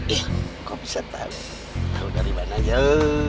eh kau bisa tahu kau dari mana yuk